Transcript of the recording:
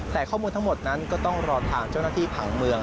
แต่ข้อมูลทั้งหมดนั้นก็ต้องรอทางเจ้าหน้าที่ผังเมือง